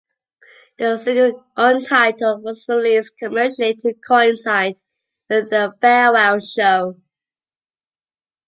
The single "Untitled" was released commercially to coincide with the farewell show.